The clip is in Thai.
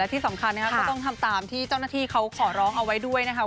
ที่สำคัญนะครับก็ต้องทำตามที่เจ้าหน้าที่เขาขอร้องเอาไว้ด้วยนะคะ